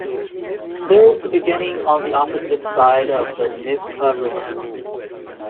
There is the beginning on the opposite side of the Nyvka River.